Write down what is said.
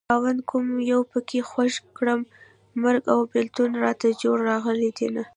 خاونده کوم يو پکې خوښ کړم مرګ او بېلتون راته جوړه راغلي دينه